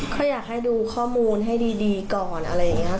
ก็อยากให้ดูข้อมูลให้ดีก่อนอะไรอย่างนี้